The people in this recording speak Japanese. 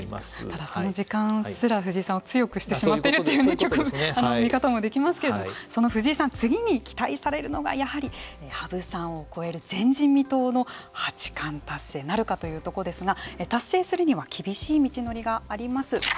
ただ、その時間すら藤井さんを強くしてしまっているという見方もできますけれどもその藤井さん次に期待されるのがやはり羽生さんを超える前人未到の八冠達成なるかというところですが達成するには厳しい道のりがあります。